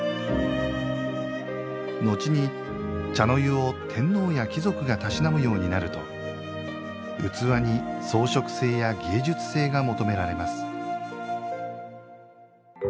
のちに、茶の湯を天皇や貴族がたしなむようになると器に装飾性や芸術性が求められます。